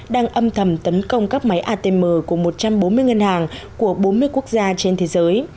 đang âm thầm tấn công các máy atm của một trăm bốn mươi ngân hàng của bốn mươi quốc gia trên thế giới